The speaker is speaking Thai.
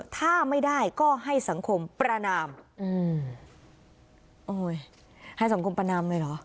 ถ้าไม่ได้ก็ให้สังคมประนามอืมโอ้ยให้สังคมประนามเลยเหรอ